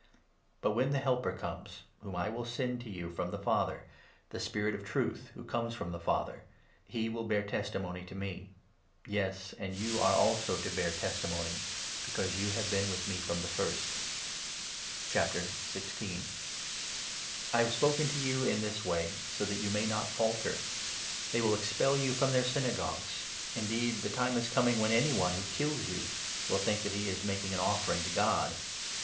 But, when the Helper comes, whom I will send to you from the 26 Father — the Spirit of Truth, who comes from the Father — he will , bear testimony to me ; yes, and you also are to bear 27 testimony, because you have been with me from the first. I have spoken to you in this way so that you may not falter, i j They will expel you from their Synagogues ; indeed the time 2 is coming when any one who kills you will think that he is making an offering to God.